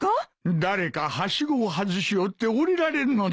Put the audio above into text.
誰かはしごを外しおって下りられんのだよ。